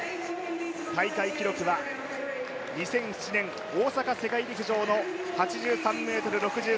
大会記録は２００７年大阪世界陸上の８３ｍ６３ｍ。